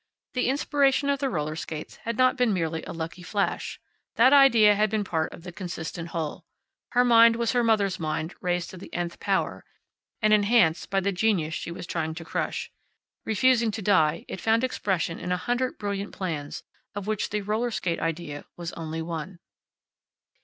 The inspiration of the roller skates had not been merely a lucky flash. That idea had been part of the consistent whole. Her mind was her mother's mind raised to the nth power, and enhanced by the genius she was trying to crush. Refusing to die, it found expression in a hundred brilliant plans, of which the roller skate idea was only one.